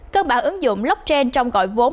cân bản ứng dụng blockchain trong gọi vốn